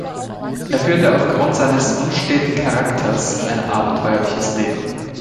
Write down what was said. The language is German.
Er führte aufgrund seines unsteten Charakters ein abenteuerliches Leben.